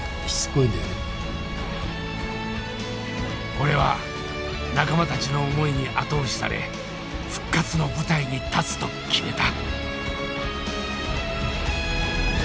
俺は仲間たちの思いに後押しされ復活の舞台に立つと決めた。